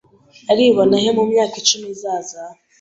Aribona he mu myaka icumi izaza